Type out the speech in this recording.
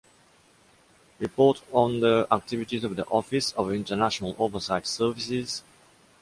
Report on the activities of the Office of Internal Oversight Services.